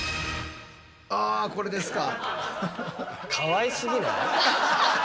あこれですか。